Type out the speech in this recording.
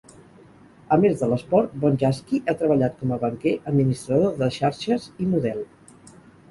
A més de l'esport, Bonjasky ha treballat com a banquer, administrador de xarxes i model.